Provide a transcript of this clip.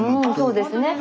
そうですね。